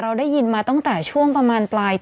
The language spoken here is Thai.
เพื่อไม่ให้เชื้อมันกระจายหรือว่าขยายตัวเพิ่มมากขึ้น